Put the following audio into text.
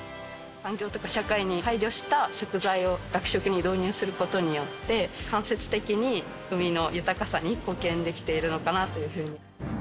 環境とか社会に配慮した食材を、学食に導入することによって、間接的に海の豊かさに貢献できているのかなというふうに。